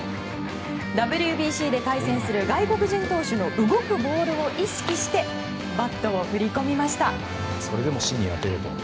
ＷＢＣで対戦する外国人投手の動くボールを意識してバットを振り込みました。